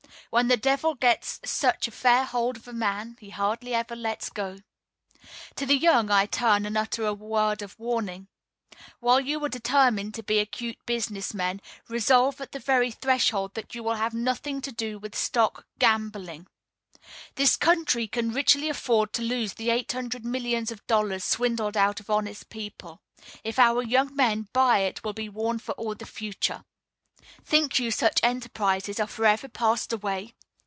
When the devil gets such a fair hold of a man he hardly ever lets go. To the young I turn and utter a word of warning. While you are determined to be acute business men, resolve at the very threshold that you will have nothing to do with stock gambling. This country can richly afford to lose the eight hundred millions of dollars swindled out of honest people, if our young men, by it, will be warned for all the future. Think you such enterprises are forever passed away?